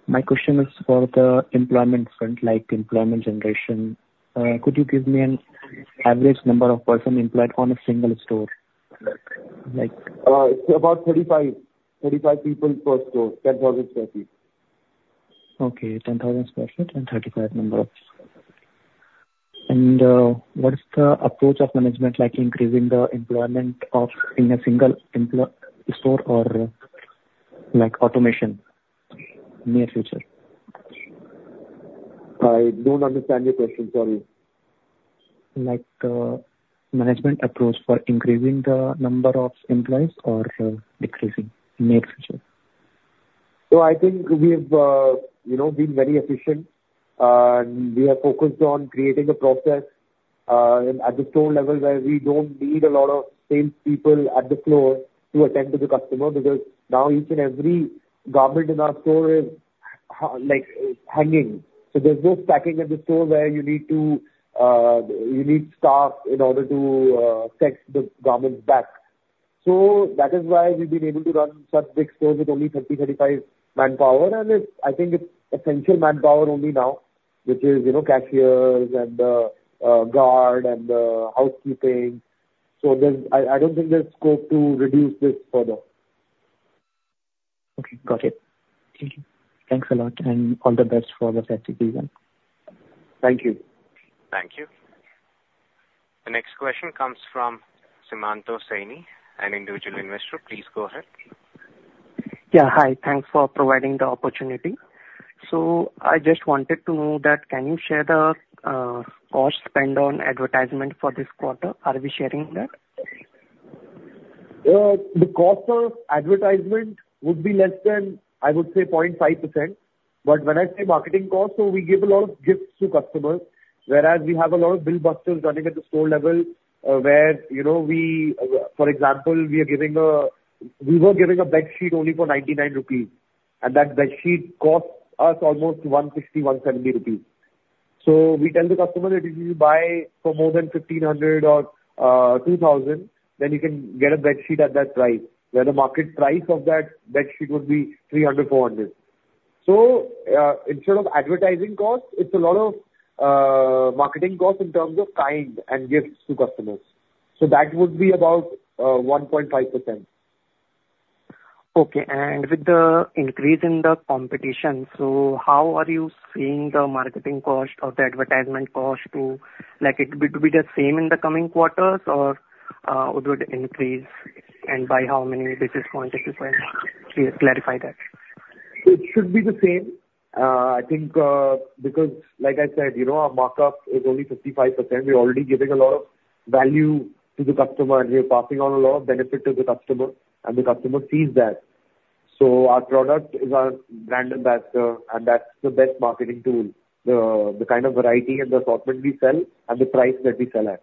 My question is for the employment front, like employment generation. Could you give me an average number of person employed on a single store? Like- It's about 35 people per store. 10,000 sq ft. Okay, 10,000 sq ft and 35 numbers. And what is the approach of management, like increasing the employment in a single store or like automation, near future? I don't understand your question, sorry. Like, management approach for increasing the number of employees or decreasing in the next future? So I think we've, you know, been very efficient, and we are focused on creating a process at the store level, where we don't need a lot of salespeople at the floor to attend to the customer, because now each and every garment in our store is like, hanging. So there's no packing at the store where you need to, you need staff in order to pack the garments back. So that is why we've been able to run such big stores with only thirty, thirty-five manpower. And it's, I think it's essential manpower only now, which is, you know, cashiers and, a guard and, housekeeping. So there's... I don't think there's scope to reduce this further. Okay, got it. Thank you. Thanks a lot, and all the best for the future as well. Thank you. Thank you. The next question comes from Semanto Saini, an individual investor. Please go ahead. Yeah, hi. Thanks for providing the opportunity... So I just wanted to know that can you share the cost spent on advertisement for this quarter? Are we sharing that? The cost of advertisement would be less than, I would say, 0.5%, but when I say marketing cost, so we give a lot of gifts to customers, whereas we have a lot of bill busters running at the store level, where, you know, we, for example, we are giving, we were giving a bedsheet only for 99 rupees, and that bedsheet costs us almost 160-170 rupees, so we tell the customer that if you buy for more than 1,500 or two thousand, then you can get a bedsheet at that price, where the market price of that bedsheet would be 300-400, so instead of advertising costs, it's a lot of marketing costs in kind and gifts to customers, so that would be about 1.5%. Okay. And with the increase in the competition, so how are you seeing the marketing cost or the advertisement cost to, like it would be the same in the coming quarters or, would it increase, and by how many basis points, if you can please clarify that? It should be the same. I think, because like I said, you know, our markup is only 55%. We're already giving a lot of value to the customer, and we're passing on a lot of benefit to the customer, and the customer sees that. So our product is our brand ambassador, and that's the best marketing tool. The kind of variety and the assortment we sell and the price that we sell at.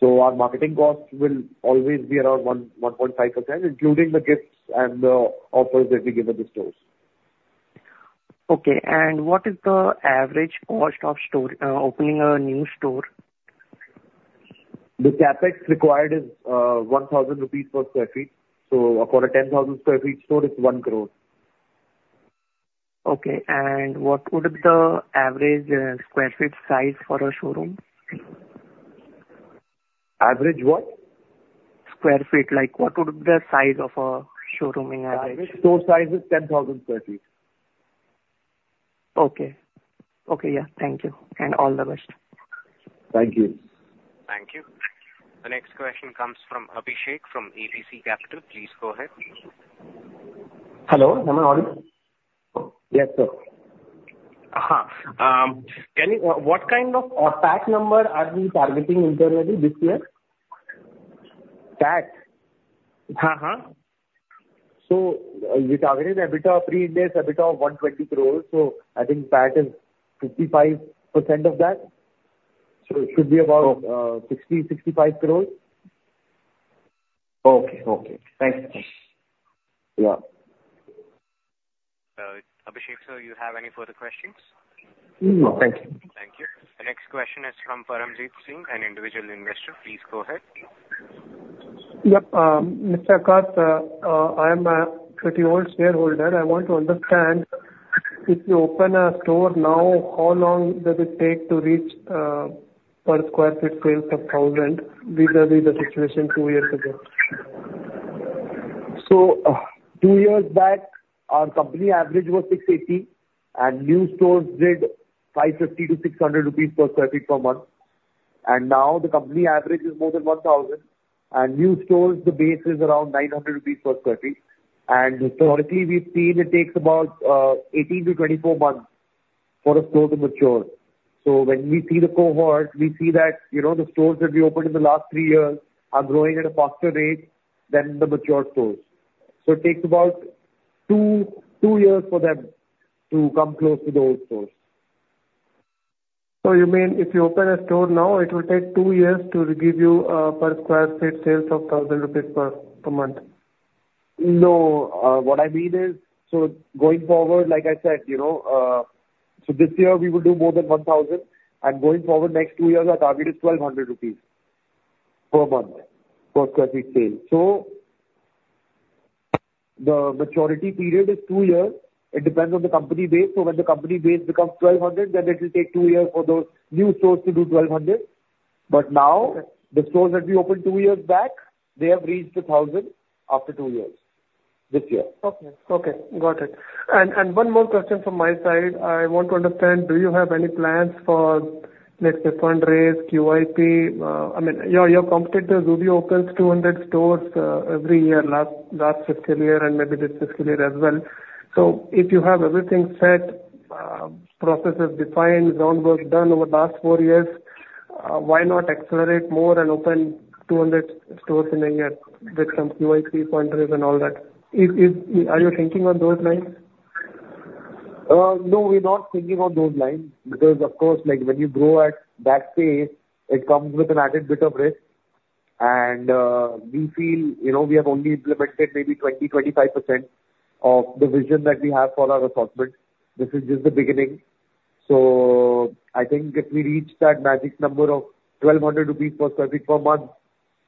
So our marketing cost will always be around 1.5%, including the gifts and the offers that we give at the stores. Okay. And what is the average cost of store opening a new store? The CapEx required is 1,000 rupees per square feet. So for a 10,000 sq ft store, it's 1 crore. Okay. And what would be the average square feet size for a showroom? Average what? square feet, like what would be the size of a showroom in average? Average store size is 10,000 sq ft. Okay. Okay, yeah. Thank you, and all the best. Thank you. Thank you. The next question comes from Abhishek, from ABC Capital. Please go ahead. Hello, am I audible? Yes, sir. What kind of PAT number are we targeting internally this year? PAT? Uh-huh. So we targeted EBITDA, pre-interest EBITDA of 120 crore. So I think PAT is 55% of that. So it should be about. Okay. 60 crore-65 crore. Okay. Okay. Thanks. Yeah. Abhishek, sir, you have any further questions? No. Thank you. Thank you. The next question is from Paramjeet Singh, an individual investor. Please go ahead. Yep, Mr. Akash, I am a pretty old shareholder. I want to understand, if you open a store now, how long does it take to reach, per square feet sales of thousand vis-a-vis the situation two years ago? So, two years back, our company average was 680, and new stores did 550-600 rupees per square feet per month. And now the company average is more than 1,000, and new stores, the base is around 900 rupees per square feet. And historically, we've seen it takes about 18-24 months for a store to mature. So when we see the cohorts, we see that, you know, the stores that we opened in the last three years are growing at a faster rate than the mature stores. So it takes about two years for them to come close to the old stores. So you mean if you open a store now, it will take two years to give you per square feet sales of 1,000 rupees per month? No, what I mean is. So going forward, like I said, you know, so this year we will do more than 1,000, and going forward, next two years, our target is 1,200 rupees per month per square feet sale. So the maturity period is two years. It depends on the company base. So when the company base becomes 1,200, then it will take two years for those new stores to do 1,200. Okay. But now, the stores that we opened two years back, they have reached 1,000 after two years, this year. Okay. Okay, got it. And one more question from my side. I want to understand, do you have any plans for next fundraise, QIP? I mean, your competitor, Zudio, opens 200 stores every year, last fiscal year and maybe this fiscal year as well. So if you have everything set, processes defined, ground work done over the last four years, why not accelerate more and open 200 stores in India with some QIP, fund raise, and all that? Are you thinking on those lines? No, we're not thinking on those lines because, of course, like, when you grow at that pace, it comes with an added bit of risk. And we feel, you know, we have only implemented maybe 20%-25% of the vision that we have for our assortment. This is just the beginning. So I think if we reach that magic number of 1,200 rupees per square feet per month,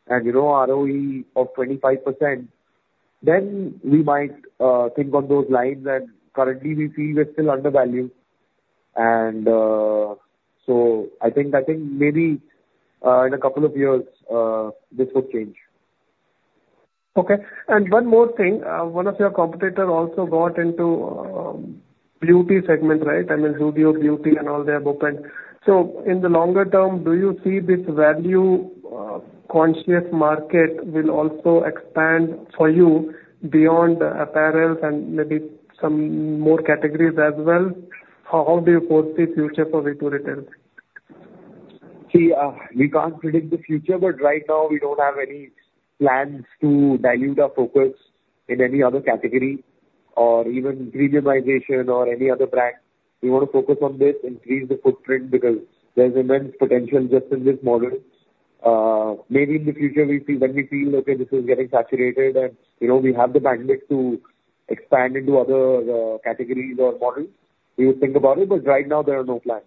and you know, ROE of 25%, then we might think on those lines. And currently, we feel we're still undervalued. And so I think maybe in a couple of years this will change. Okay. And one more thing. One of your competitor also got into the beauty segment, right? I mean, Zudio Beauty and all they have opened. So in the longer term, do you see this value-conscious market will also expand for you beyond the apparels and maybe some more categories as well? How do you foresee future for V2 Retail? See, we can't predict the future, but right now we don't have any plans to dilute our focus in any other category or even regionalization or any other brand. We want to focus on this, increase the footprint, because there's immense potential just in this model. Maybe in the future we see when we feel, okay, this is getting saturated, and, you know, we have the bandwidth to expand into other, categories or models, we will think about it, but right now there are no plans.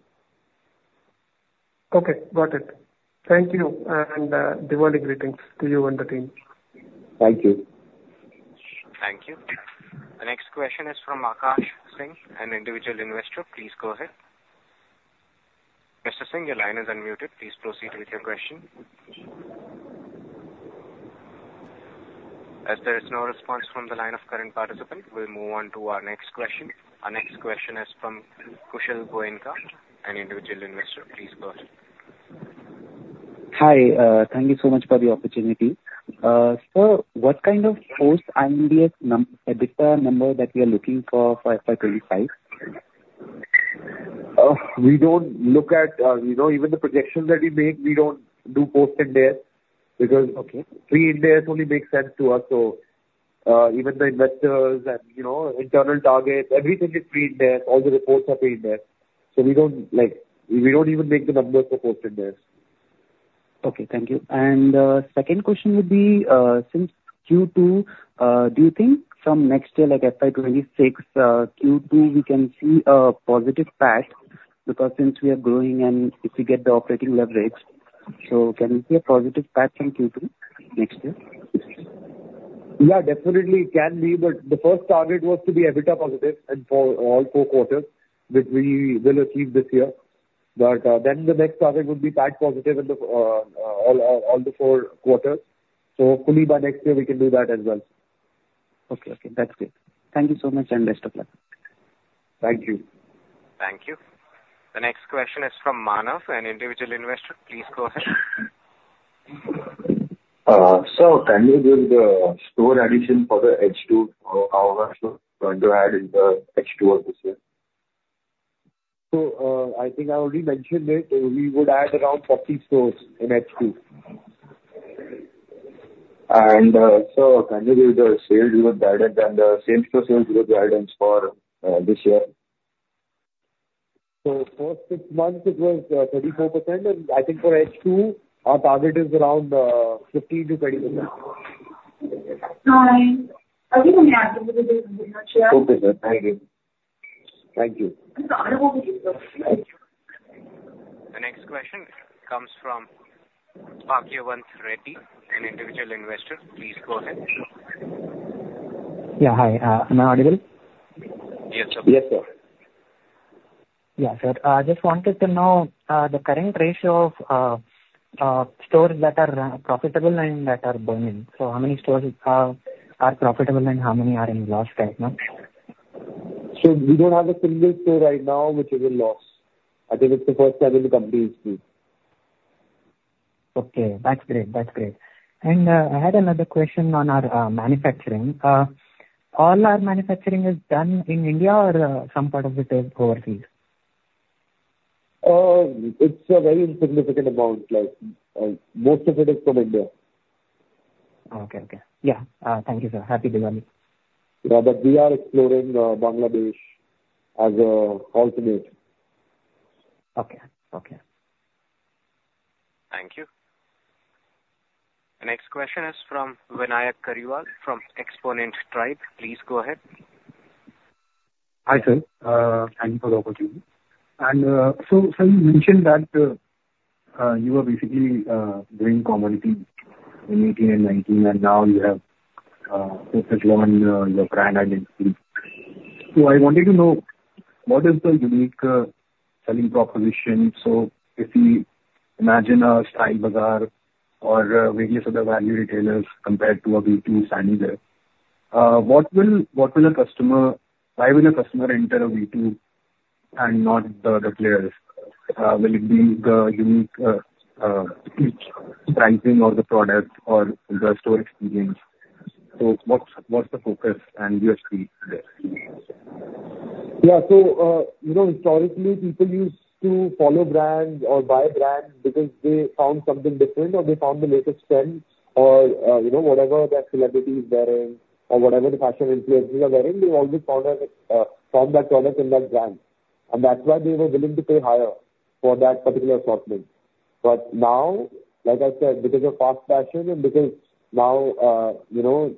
Okay, got it. Thank you, and Diwali greetings to you and the team. Thank you. Thank you. The next question is from Akash Singh, an individual investor. Please go ahead. Mr. Singh, your line is unmuted. Please proceed with your question. As there is no response from the line of current participant, we'll move on to our next question. Our next question is from Kushal Goenka, an individual investor. Please go ahead. Hi, thank you so much for the opportunity. Sir, what kind of post Ind AS EBITDA number that we are looking for, for FY twenty-five? We don't look at, you know, even the projections that we make, we don't do post-Ind AS, because- Okay. Pre-Ind AS only makes sense to us. So, even the investors and, you know, internal targets, everything is pre-Ind AS, all the reports are pre-Ind AS. So we don't like, we don't even make the numbers for post-Ind AS. Okay, thank you. And second question would be, since Q2, do you think from next year, like FY 2026, Q2, we can see a positive PAT, because since we are growing and if we get the operating leverage, so can we see a positive PAT from Q2 next year? Yeah, definitely can be, but the first target was to be EBITDA positive, and for all four quarters, which we will achieve this year. But, then the next target would be PAT positive in all the four quarters. So hopefully by next year we can do that as well. Okay. Okay, that's great. Thank you so much, and best of luck. Thank you. Thank you. The next question is from Manav, an individual investor. Please go ahead. Sir, can you give the store addition for the H2? How much you are going to add in the H2 of this year? So, I think I already mentioned it. We would add around forty stores in H2. Sir, can you give the sales growth guidance and same store sales growth guidance for this year? So first six months it was 34%, and I think for H2, our target is around 15%-20%. Okay, sir. Thank you. Thank you. The next question comes from Bhagavant Reddy, an individual investor. Please go ahead. Yeah, hi. Am I audible? Yes, sir. Yes, sir. Yeah, sir, I just wanted to know, the current ratio of, stores that are, profitable and that are burning. So how many stores, are profitable and how many are in loss right now? So we don't have a single store right now, which is a loss. I think it's the first time in the company's history. Okay, that's great. That's great. And, I had another question on our manufacturing. All our manufacturing is done in India or, some part of it is overseas? It's a very insignificant amount, like, most of it is from India. Okay, okay. Yeah. Thank you, sir. Happy Diwali. Yeah, but we are exploring Bangladesh as an alternative. Okay. Okay. Thank you. The next question is from Vinayak Kariwal from Xponent Tribe. Please go ahead. Hi, sir. Thank you for the opportunity. So sir, you mentioned that you were basically doing common retail in eighteen and nineteen, and now you have focused on your brand identity. So I wanted to know, what is the unique selling proposition? So if we imagine a Style Baazar or various other value retailers compared to a V2 standing there, what will a customer... Why will a customer enter a V2 and not the other players? Will it be the unique branding or the product or the store experience? So what's the focus and USP there? Yeah. So, you know, historically, people used to follow brands or buy brands because they found something different, or they found the latest trend, or, you know, whatever that celebrity is wearing or whatever the fashion influences are wearing, they always found that product in that brand, and that's why they were willing to pay higher for that particular assortment. But now, like I said, because of fast fashion and because now, you know,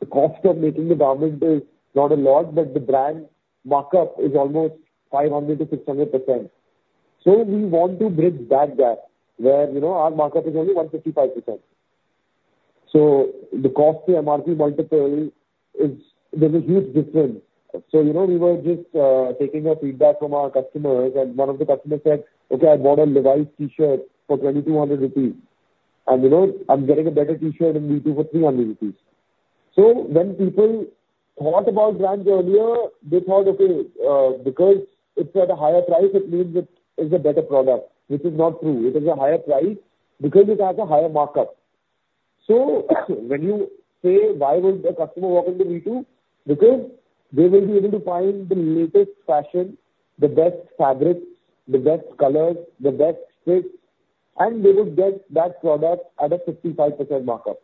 the cost of making the garment is not a lot, but the brand markup is almost 500%-600%. So we want to bridge that gap where, you know, our markup is only 155%. So the cost to MRP multiple is, there's a huge difference. You know, we were just taking feedback from our customers, and one of the customers said, "Okay, I want a Levi's T-shirt for 2,200 rupees, and, you know, I'm getting a better T-shirt in V2 for 300 rupees." When people thought about brands earlier, they thought, okay, because it's at a higher price, it means it is a better product. Which is not true. It is a higher price because it has a higher markup. So when you say, why would the customer walk into V2? Because they will be able to find the latest fashion, the best fabrics, the best colors, the best fit, and they would get that product at a 55% markup.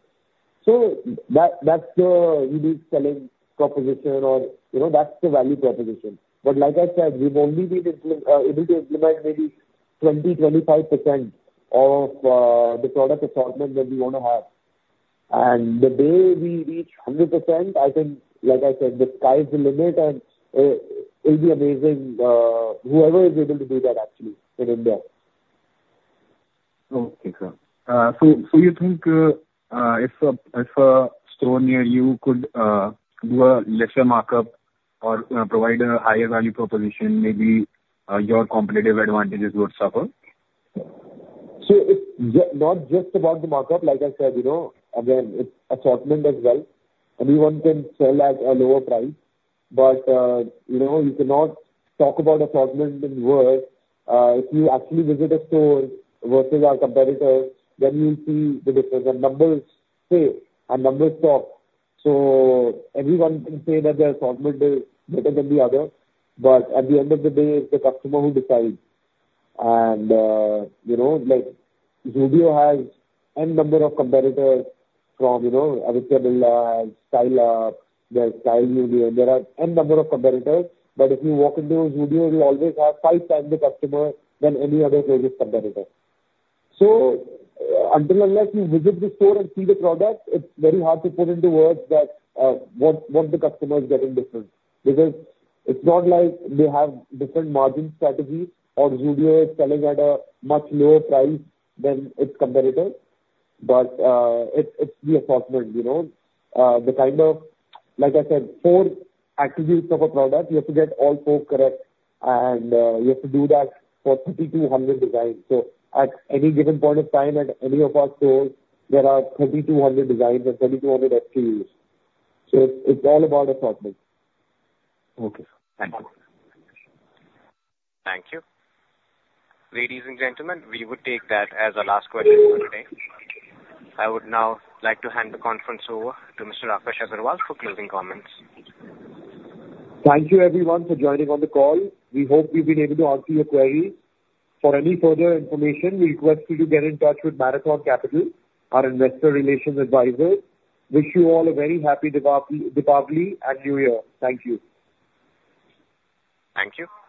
So that, that's the unique selling proposition or, you know, that's the value proposition. But like I said, we've only been able to implement maybe 20%-25% of the product assortment that we want to have. And the day we reach 100%, I think, like I said, the sky is the limit and it'll be amazing whoever is able to do that actually in India. Okay, sir, so you think if a store near you could do a lesser markup or provide a higher value proposition, maybe your competitive advantages would suffer? So it's not just about the markup, like I said, you know, again, it's assortment as well. Everyone can sell at a lower price, but, you know, you cannot talk about assortment in words. If you actually visit a store versus our competitors, then you'll see the difference. The numbers say and numbers talk. So everyone can say that their assortment is better than the other, but at the end of the day, it's the customer who decides. And, you know, like, Zudio has n number of competitors from, you know, affordable and Style Up, there's like Zudio, and there are n number of competitors. But if you walk into a Zudio, you always have five times the customer than any other closest competitor. Until unless you visit the store and see the product, it's very hard to put into words that what the customer is getting different. Because it's not like they have different margin strategy or Zudio is selling at a much lower price than its competitor, but it's the assortment, you know? The kind of, like I said, four attributes of a product, you have to get all four correct, and you have to do that for 3,200 designs. So at any given point of time at any of our stores, there are 3,200 designs and 3,200 SKUs. So it's all about assortment. Okay. Thank you. Thank you. Ladies and gentlemen, we would take that as our last question for today. I would now like to hand the conference over to Mr. Akash Agarwal for closing comments. Thank you, everyone, for joining on the call. We hope we've been able to answer your queries. For any further information, we request you to get in touch with Marathon Capital, our investor relations advisor. Wish you all a very happy Deepa- Deepavali and New Year. Thank you. Thank you.